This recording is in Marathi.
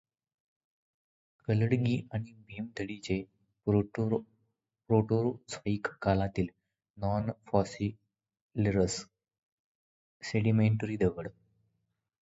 कलडगी आणि भीमथडीचे प्रोटेरोझॉइक कालातील नॉन फॉसिलिेरस सेडिमेंटरी दगड